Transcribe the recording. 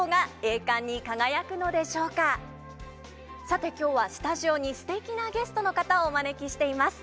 さて今日はスタジオにすてきなゲストの方をお招きしています。